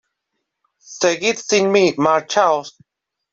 Seguid sin mí. Marchaos .